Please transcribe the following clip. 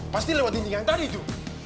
pasti lewat dinding yang tadi itu